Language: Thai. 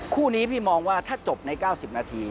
คู่นี้พี่มองว่าถ้าจบใน๙๐นาที